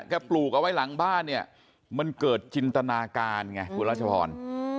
ปลูกเอาไว้หลังบ้านเนี่ยมันเกิดจินตนาการไงคุณรัชพร